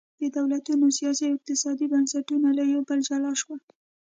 د دولتونو سیاسي او اقتصادي بنسټونه له یو بل جلا شول.